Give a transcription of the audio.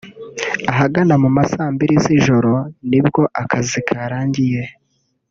Ahagana mu ma saa mbiri z’ijoro nibwo akazi karangiye